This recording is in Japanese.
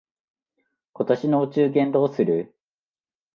今年のお中元どうする？